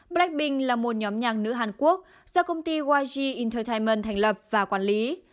blackpink là một nhóm nhạc nữ hàn quốc do công ty yg entertainment thành lập và quản lý